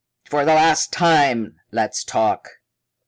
For the last time let's talk!"